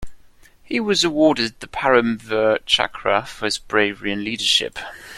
He was awarded the Param Vir Chakra for his bravery and leadership.